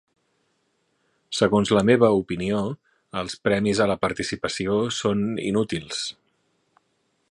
Segons la meva opinió, els premis a la participació són inútils.